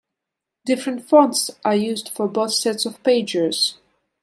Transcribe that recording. Different fonts are used for both sets of pages.